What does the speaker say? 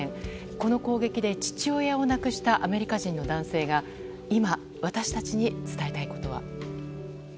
この攻撃で父親を亡くしたアメリカ人の男性が今、私たちに伝えたいことは。